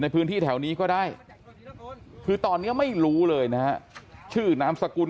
พื้นที่แถวนี้ก็ได้คือตอนนี้ไม่รู้เลยนะฮะชื่อนามสกุล